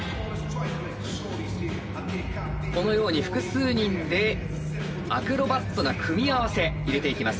このように複数人でアクロバットな組み合わせ入れていきます。